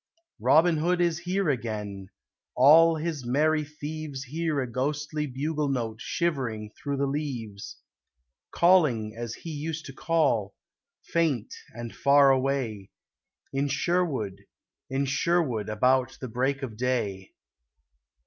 Robin Hood is here again ; all his merry thieves Hear a ghostly bugle note shivering thro' the leaves, Calling as he used to call, faint and far away, In Sherwood, in Sherwood, about the break of day.